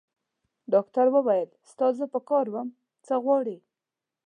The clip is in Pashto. ډاکټر وویل: ستا زه په کار وم؟ څه غواړې؟